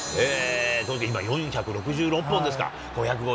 今、４６６本ですか。